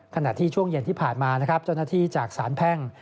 ขณะที่ช่วงเย็นที่ผ่านมาจ้อนาธิจากสารแพ่ง